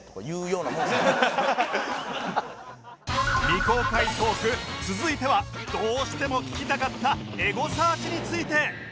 未公開トーク続いてはどうしても聞きたかったエゴサーチについて